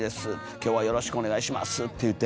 今日はよろしくお願いします」って言うて